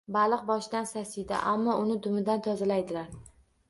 Baliq boshidan sasiydi. Ammo uni dumidan tozalaydilar.